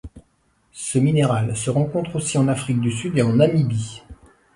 Ce minéral se rencontre aussi en Afrique du Sud et en Namibie.